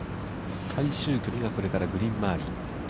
最終組がこれからグリーン周り。